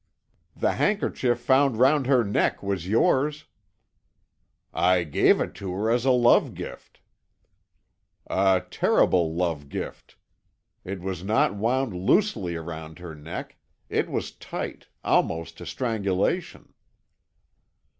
"The handkerchief found round her neck was yours." "I gave it to her as a love gift." "A terrible love gift. It was not wound loosely round her neck; it was tight, almost to strangulation."